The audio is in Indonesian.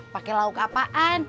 pakai lauk apaan